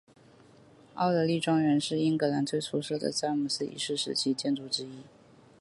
奥德莉庄园是英格兰最出色的詹姆斯一世时期建筑之一。